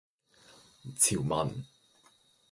潮文